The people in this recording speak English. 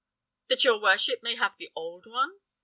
"That your worship may have the old one?"